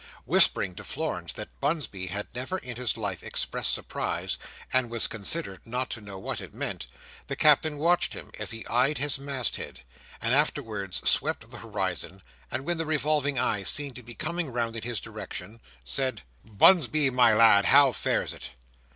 Whispering to Florence that Bunsby had never in his life expressed surprise, and was considered not to know what it meant, the Captain watched him as he eyed his mast head, and afterwards swept the horizon; and when the revolving eye seemed to be coming round in his direction, said: "Bunsby, my lad, how fares it?"